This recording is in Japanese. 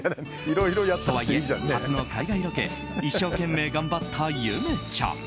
とはいえ、初の海外ロケ一生懸命頑張ったゆめちゃん。